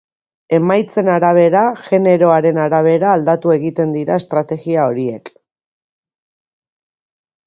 Emaitzen arabera, generoaren arabera aldatu egiten dira estrategia horiek.